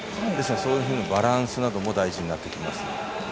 そういうバランスなども大事になってきます。